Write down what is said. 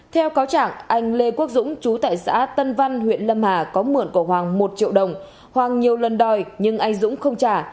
theo cáo chẳng anh lê quốc dũng chú tại xã tân văn huyện lâm hà có mượn của hoàng một triệu đồng hoàng nhiều lần đòi nhưng anh dũng không trả